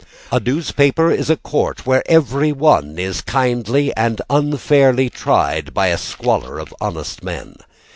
A newspaper is a court Where every one is kindly and unfairly tried By a squalor of honest men.